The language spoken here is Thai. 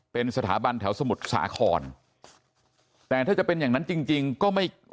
เป็นสถาบันแถวสมุทรสาครแต่ถ้าจะเป็นอย่างนั้นจริงจริงก็ไม่